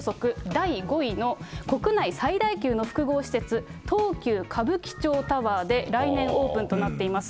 第５位の、国内最大級の複合施設、東急歌舞伎町タワーで来年オープンとなっています。